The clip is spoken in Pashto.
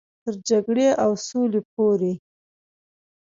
تر جګړې او سولې پورې.